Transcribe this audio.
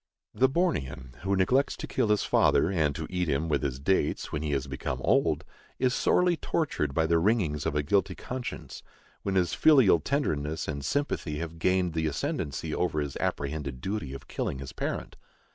The Bornean who neglects to kill his father, and to eat him with his dates, when he has become old, is sorely tortured by the wringings of a guilty conscience, when his filial tenderness and sympathy have gained the ascendency over his apprehended duty of killing his parent.